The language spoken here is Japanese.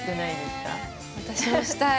私もしたい。